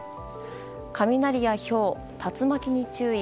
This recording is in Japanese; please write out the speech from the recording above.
雷やひょう、竜巻に注意。